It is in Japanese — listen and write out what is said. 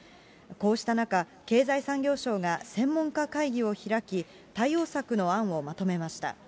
こうした中、経済産業省が専門家会議を開き、対応策の案をまとめました。